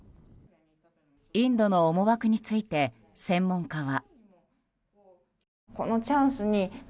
インドの思惑について専門家は。